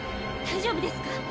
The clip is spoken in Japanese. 大丈夫ですか？